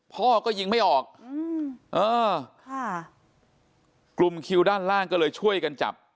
พ่อก็ยิงไม่ออกอืมเออค่ะกลุ่มคิวด้านล่างก็เลยช่วยกันจับ